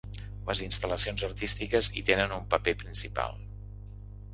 Les instal·lacions artístiques hi tenen un paper principal.